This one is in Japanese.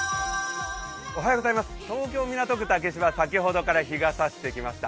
東京・港区竹芝、先ほどから日が差してきました。